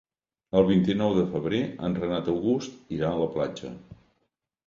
El vint-i-nou de febrer en Renat August irà a la platja.